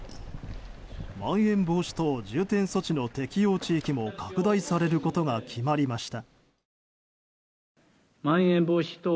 まん延防止等重点措置の適用地域も拡大されることが決まりました。